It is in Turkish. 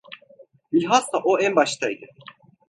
Bilhassa o en baştaydı.